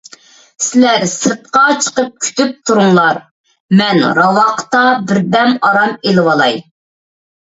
سىلەر سىرتقا چىقىپ كۈتۈپ تۇرۇڭلار، مەن راۋاقتا بىردەم ئارام ئېلىۋالاي.